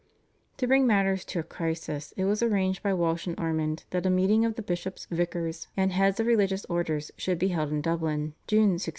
To bring matters to a crisis it was arranged by Walsh and Ormond that a meeting of the bishops, vicars, and heads of religious orders should be held in Dublin (June 1666).